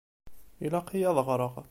Ilaq-iyi ad ɣṛeɣ.